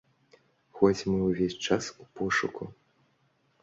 Хоць мы ўвесь час у пошуку.